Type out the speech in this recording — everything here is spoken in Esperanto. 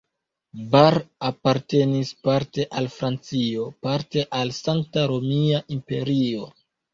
Bar apartenis parte al Francio, parte al la Sankta Romia Imperio.